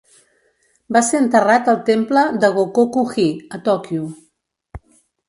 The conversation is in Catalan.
Va ser enterrat al temple de Gokoku-ji, a Tòquio.